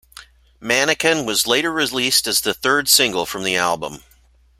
"Mannequin" was later released as the third single from the album.